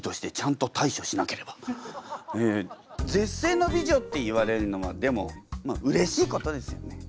絶世の美女って言われるのはでもうれしいことですよね？